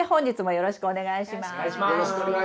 よろしくお願いします。